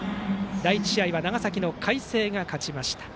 第１試合は長崎の海星が勝ちました。